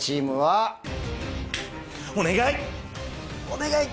お願い！